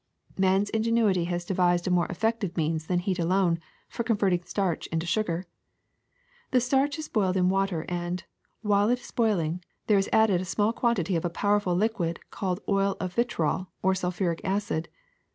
*^ Man's ingenuity has devised a more effective means than heat alone for converting starch into sugar. The starch is boiled in water and, while it is boiling, there is added a small quantity of a pow erful liquid called oil of vitriol or sulphuric acid.